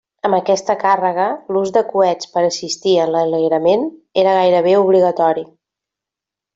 Amb aquesta càrrega l'ús de coets per a assistir en l'enlairament era gairebé obligatori.